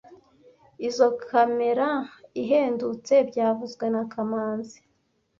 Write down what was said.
Izoi kamera ihendutse byavuzwe na kamanzi